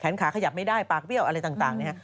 ขาขยับไม่ได้ปากเบี้ยวอะไรต่างนะฮะ